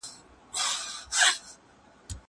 کېدای سي قلم خراب وي؟!